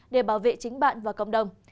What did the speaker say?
để bảo vệ chính bạn và cộng đồng